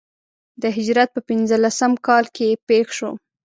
د هجرت په پنځه لسم کال کې پېښ شو.